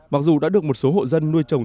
mặc dù đã được một số hộ dân nuôi trồng